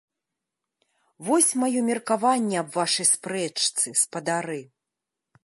Вось маё меркаванне аб вашай спрэчцы, спадары!